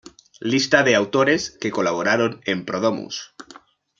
Lista de autores que colaboraron en Prodromus.